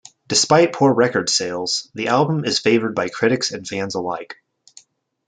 Despite poor record sales, the album is favored by critics and fans alike.